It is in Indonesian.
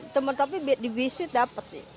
teman tapi di biskuit dapat sih